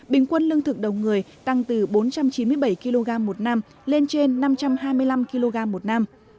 bình quân lương thực đầu người tăng từ bốn trăm chín mươi bảy kg một năm lên trên năm trăm hai mươi năm kg một năm